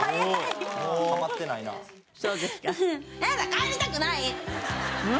帰りたくない！